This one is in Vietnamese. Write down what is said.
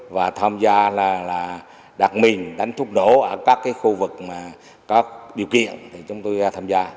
và tham gia là đặt mình đánh thuốc đổ ở các khu vực mà có điều kiện thì chúng tôi tham gia